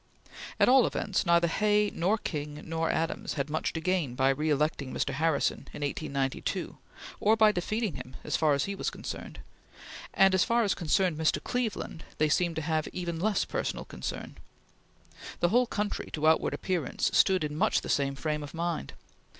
At all events, neither Hay nor King nor Adams had much to gain by reelecting Mr. Harrison in 1892, or by defeating him, as far as he was concerned; and as far as concerned Mr. Cleveland, they seemed to have even less personal concern. The whole country, to outward appearance, stood in much the same frame of mind.